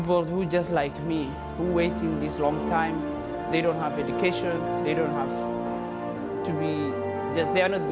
berita ini membuat saya sedikit terkejut